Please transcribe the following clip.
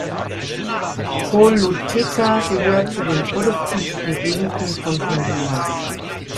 Choluteca gehört zu den produktivsten Gegenden von Honduras.